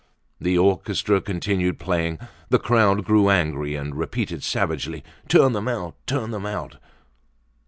The orchestra continued playing, the crowd grew angry and repeated savagely, "Turn them out! Turn them out!"